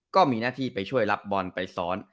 ก็มีหน้าที่ไปช่วยรับบอลไปซ้อน